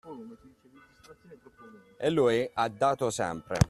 E lui ha dato sempre.